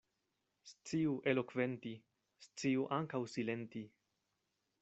Sciu elokventi, sciu ankaŭ silenti.